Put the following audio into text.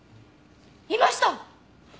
いました！